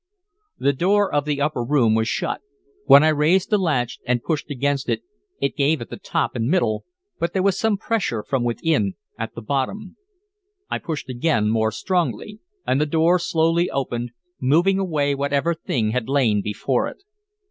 The door of the upper room was shut. When I raised the latch and pushed against it, it gave at the top and middle, but there was some pressure from within at the bottom. I pushed again, more strongly, and the door slowly opened, moving away whatever thing had lain before it.